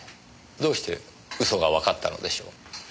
どうして嘘がわかったのでしょう？